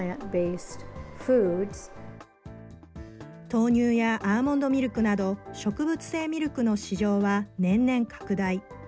豆乳やアーモンドミルクなど、植物性ミルクの市場は年々拡大。